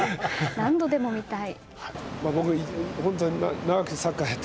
何度でも見たい。